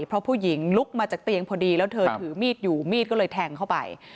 เพราะผู้หญิงลุกมาจากเตียงพอดีแล้วเธอถือมีดอยู่มีดก็เลยแทงเข้าไป